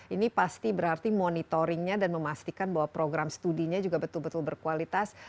ini pasti berarti monitoringnya dan memastikan bahwa program studinya juga betul betul berkualitas